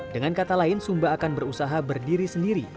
dengan kata lain sumba akan berusaha berdiri sendiri